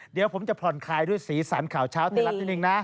เดี๋ยวผมจะผ่อนคลายด้วยสีสันข่าวเช้าไทยรัฐนิดนึงนะ